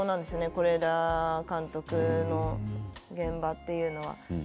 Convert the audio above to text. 是枝監督の現場というのは。